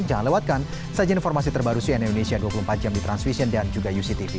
jangan lewatkan saja informasi terbaru cnn indonesia dua puluh empat jam di transvision dan juga uctv